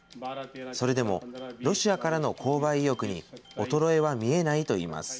それでもロシアからの購買意欲に衰えは見えないと言います。